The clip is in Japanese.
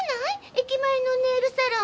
駅前のネイルサロン。